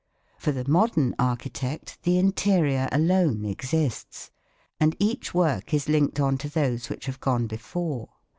For the modern architect the interior alone exists, and each work is linked on to those which have gone before.